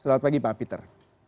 selamat pagi pak peter